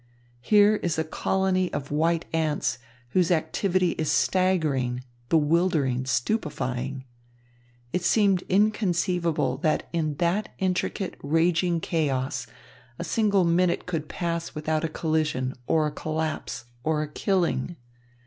Here is a colony of white ants, whose activity is staggering, bewildering, stupefying. It seemed inconceivable that in that intricate, raging chaos, a single minute could pass without a collision, or a collapse, or a killing.